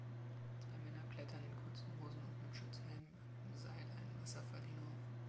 Zwei Männer klettern in kurzen Hosen und mit Schutzhelmen an einem Seil einen Wasserfall hinauf.